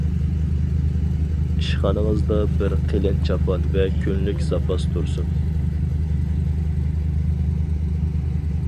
ئىشخانىڭىزدا بىر قېلىن چاپان ۋە كۈنلۈك زاپاس تۇرسۇن.